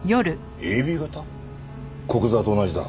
古久沢と同じだ。